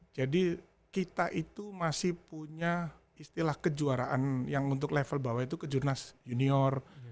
jadi kita itu masih punya istilah kejuaraan yang untuk level bawah itu kejurnas junior